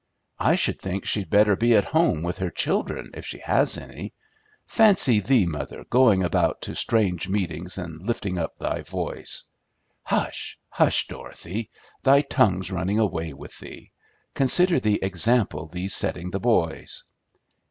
"I should think she'd better be at home with her children, if she has any. Fancy thee, mother, going about to strange meetings and lifting up thy voice" "Hush, hush, Dorothy! Thy tongue's running away with thee. Consider the example thee's setting the boys."